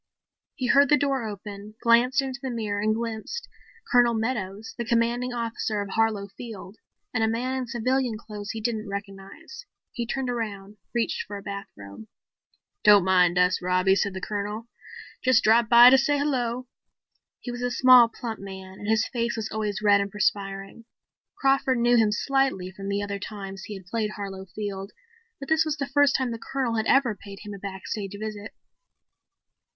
He heard the door open, glanced into the mirror and glimpsed Colonel Meadows, the Commanding Officer of Harlow Field, and a man in civilian clothes he didn't recognize. He turned around, reached for a bathrobe. "Don't mind us, Robbie," said the Colonel. "Just dropped by to say hello." He was a small, plump man and his face was always red and perspiring. Crawford knew him slightly from the other two times he had played Harlow Field, but this was the first time the Colonel had ever paid him a backstage visit.